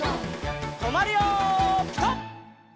とまるよピタ！